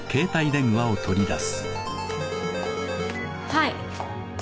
はい。